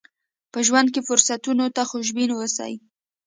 په ژوند کې فرصتونو ته خوشبين اوسئ.